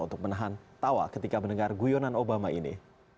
untuk menahan tawa ketika mendengar guyonan obama ini